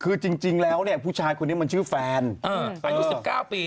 คือจริงแล้วเนี่ยผู้ชายคนนี้มันชื่อแฟนอายุ๑๙ปี